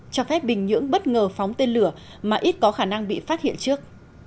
cho phép bình nhưỡng bất ngờ phóng tên lửa mà ít có khả năng bị phát hiện trước